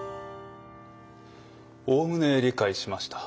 おおむね理解しました。